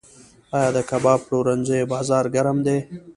آیا د کباب پلورنځیو بازار ګرم دی؟